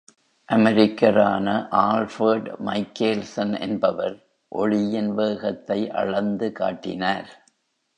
அமெரிக்கரான Albert Michelson என்பவர் ஒளியின் வேகத்தை அளந்து காட்டினார்!